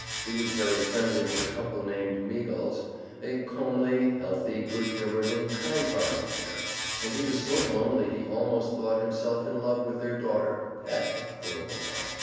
He was very friendly with a couple named Meagles a comely, healthy, good humored and kind hearted pair, and he was so lonely he almost thought himself in love with their daughter "Pet" for a while.